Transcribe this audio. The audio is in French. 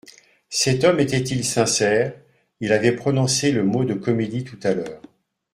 Cet homme était-il sincère ? Il avait prononcé le mot de «comédie», tout à l’heure.